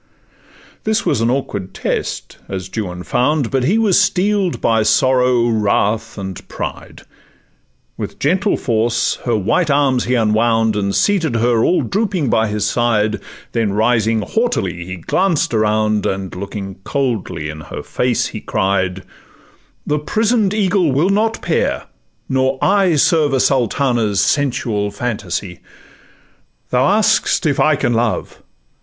This was an awkward test, as Juan found, But he was steel'd by sorrow, wrath, and pride: With gentle force her white arms he unwound, And seated her all drooping by his side, Then rising haughtily he glanced around, And looking coldly in her face, he cried, 'The prison'd eagle will not pair, nor Serve a Sultana's sensual phantasy. 'Thou ask'st if I can love?